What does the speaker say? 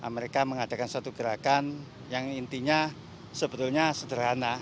mereka mengadakan suatu gerakan yang intinya sebetulnya sederhana